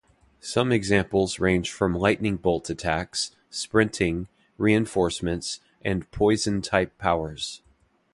Some examples range from lightning bolt attacks, sprinting, reinforcements, and poison type powers.